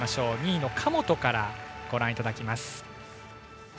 ２位の神本からご覧いただきます。